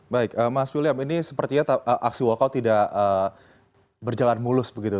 baik mas william ini sepertinya aksi walkout tidak berjalan mulus begitu